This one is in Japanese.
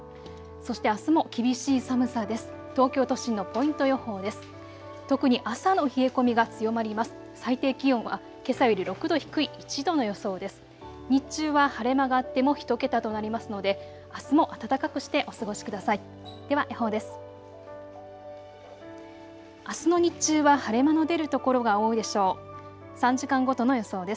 そしてあすも厳しい寒さです。